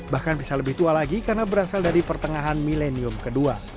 bahkan bisa lebih tua lagi karena berasal dari pertengahan milenium kedua